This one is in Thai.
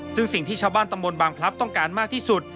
ซึ่งสิ่งที่ชาวบ้านตำบลบางพลับต้องการมากที่สุด